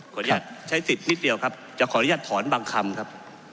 อนุญาตใช้สิทธิ์นิดเดียวครับจะขออนุญาตถอนบางคำครับ